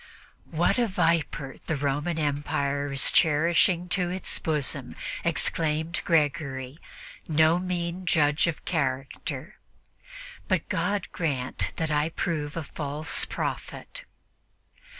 "What a viper the Roman Empire is cherishing in its bosom!" exclaimed Gregory, no mean judge of character, "but God grant that I prove a false prophet."